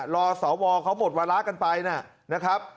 รอสวเขาหมดวาระกันไปนะครับ